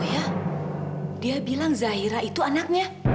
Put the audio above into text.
oh iya dia bilang zahira itu anaknya